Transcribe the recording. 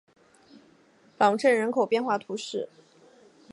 朗镇人口变化图示